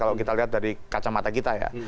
kalau kita lihat dari kacamata kita ya